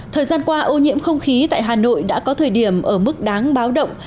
thời gian qua ô nhiễm không khí tại hà nội đã có thời điểm ở mức đáng báo động